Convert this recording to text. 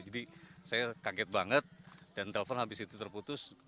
jadi saya kaget banget dan telepon habis itu terputus